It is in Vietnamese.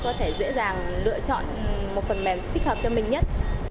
có thể dễ dàng lựa chọn một phần mềm thích hợp cho mình nhất